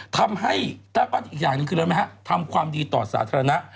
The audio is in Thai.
ทำให้ถ้าปั้นอีกอย่างหนึ่งคืออะไรไหมฮะทำความดีต่อสาธารณะ